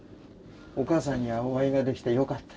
お母さんにはお会いができてよかった。